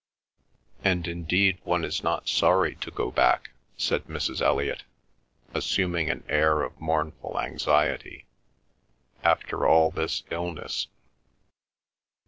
"And indeed one is not sorry to go back," said Mrs. Elliot, assuming an air of mournful anxiety, "after all this illness."